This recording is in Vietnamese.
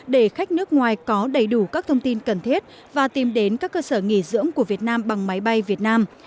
để khách nước ngoài có đầy đủ các thông tin cần thiết và tìm đến các cơ sở nghỉ dưỡng của việt nam bằng máy bay việt nam